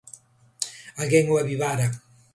Alguén o avivara.